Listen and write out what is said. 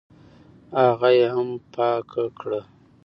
هغه یې هم پاکه کړه.